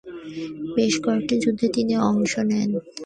বেশ কয়েকটি যুদ্ধে তিনি অংশ নেন।